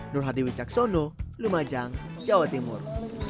nur hadi wicaksono lumajang jawa timur